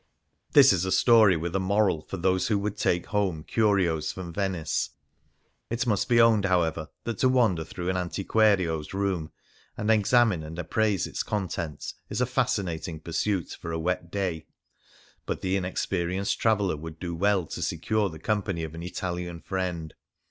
This is a story with a moral for those who would take home curios from Venice. It must be owned, however, that to wander through an antiquario's room, and examine and appraise its contents, is a fascinating pursuit for a wet day, but the inexperienced traveller would do well to secure the company of an Italian friend.